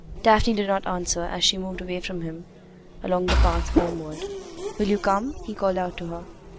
Daphne did not answer as she moved away from him along the path homeward. "Will you come?" he called out to her.